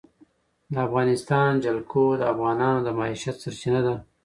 د افغانستان جلکو د افغانانو د معیشت سرچینه ده.